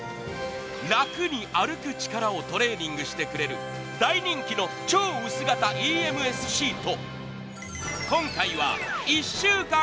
楽に歩く力をトレーニングしてくれる大人気の超薄型ＥＭＳシート。